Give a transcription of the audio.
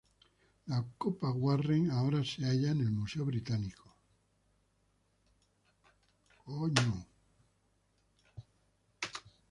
La Copa Warren ahora se halla en el Museo Británico.